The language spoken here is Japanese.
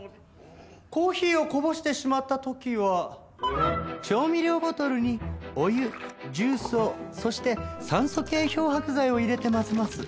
コーヒーをこぼしてしまった時は調味料ボトルにお湯重曹そして酸素系漂白剤を入れて混ぜます。